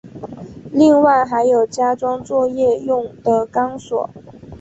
另外还有加装作业用的钢索。